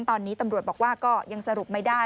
ตอนนี้ตำรวจบอกว่าก็ยังสรุปไม่ได้